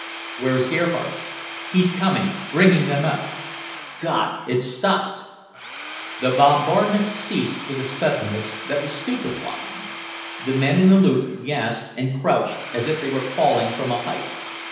"Where's Gerhardt?" "He's coming; bringing them up. God, it's stopped!" The bombardment ceased with a suddenness that was stupefying. The men in the loop gasped and crouched as if they were falling from a height.